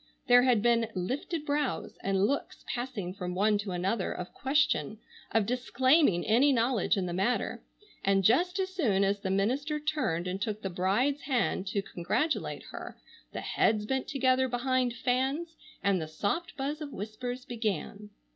There had been lifted brows and looks passing from one to another, of question, of disclaiming any knowledge in the matter, and just as soon as the minister turned and took the bride's hand to congratulate her the heads bent together behind fans and the soft buzz of whispers began.